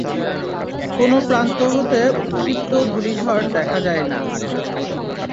কোন প্রান্ত হতে উৎক্ষিপ্ত ধূলি ঝড় দেখা যায় না।